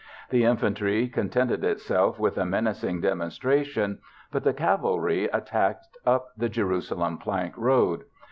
The infantry contented itself with a menacing demonstration, but the cavalry attacked up the Jerusalem Plank Road.